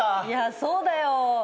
いやそうだよ。